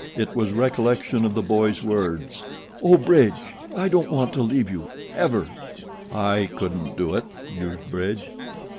It was recollection of the boy's words: "Oh, Bridge, I don't want to leave you ever." "I couldn't do it," mused Bridge.